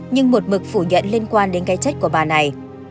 nhưng một mực phủ nhận liên quan đến cái chết của bà này